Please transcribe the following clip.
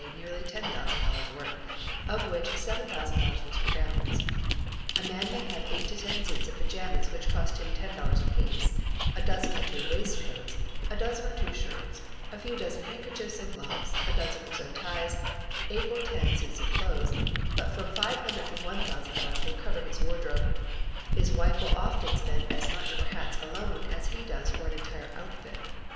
nearly $10,000 worth, of which $7000 was for gowns. A man may have eight to ten suits of pajamas which cost him $10 apiece, a dozen or two waistcoats, a dozen or two shirts, a few dozen handkerchiefs and gloves, a dozen or so ties, eight or ten suits of clothes, but from $500 to $1000 will cover his wardrobe; his wife will often spend as much for hats alone as he does for an entire outfit!